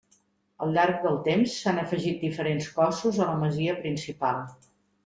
Al llarg del temps s'han afegit diferents cossos a la masia principal.